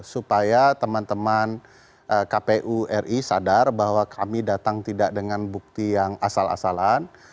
supaya teman teman kpu ri sadar bahwa kami datang tidak dengan bukti yang asal asalan